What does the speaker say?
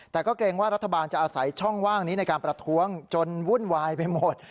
แต่ก็เกรงว่ารัฐบาลจะอาศัยช่องว่างนี้ในการประท้วงจนวุ่นวายไปหมด